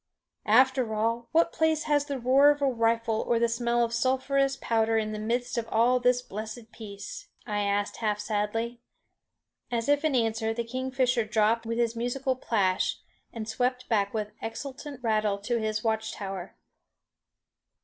"After all, what place has the roar of a rifle or the smell of sulphurous powder in the midst of all this blessed peace?" I asked half sadly. As if in answer, the kingfisher dropped with his musical plash, and swept back with exultant rattle to his watchtower.